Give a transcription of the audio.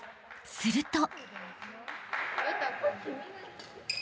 すると］